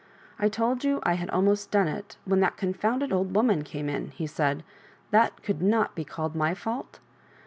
" I told you I had almost done it when that confounded old woman came in," he said :" that could not be called my fault?"